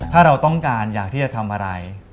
ถ้าเราต้องการอยากที่จะทำอะไร